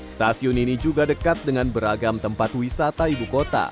stasiun ini juga dekat dengan beragam tempat wisata ibu kota